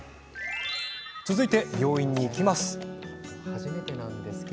続いて、病院に行きます。